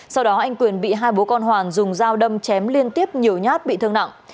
sau đó anh quyền bị hai bố con hoàn dùng dao đâm chém liên tiếp nhiều nhát bị thương nặng